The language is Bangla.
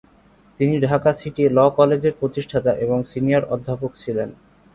তিনি ঢাকা সিটি ‘ল’ কলেজের প্রতিষ্ঠাতা এবং সিনিয়র অধ্যাপক ছিলেন।